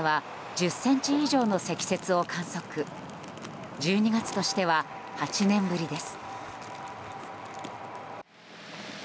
１２月としては８年ぶりです。